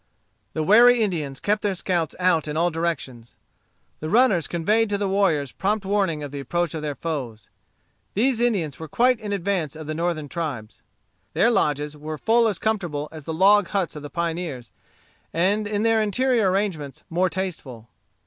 The wary Indians kept their scouts out in all directions. The runners conveyed to the warriors prompt warning of the approach of their foes. These Indians were quite in advance of the northern tribes. Their lodges were full as comfortable as the log huts of the pioneers, and in their interior arrangements more tasteful.